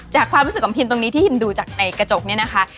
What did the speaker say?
ความรู้สึกของพิมตรงนี้ที่พิมดูจากในกระจกนี้นะคะ